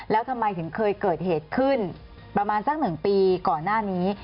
แล้วทำไมถึงเคยเกิดเหตุขึ้นประมาณสัก๑ปีก่อนหน้านี้